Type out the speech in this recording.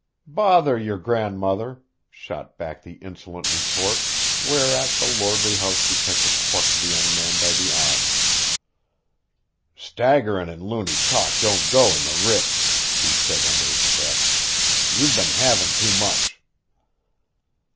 "Bother your grandmother," shot back the insolent retort, whereat the lordly house detective plucked the young man by the arm. "Staggerin' an' loony talk don't go in the Ritz," he said under his breath. "You've been havin' too much."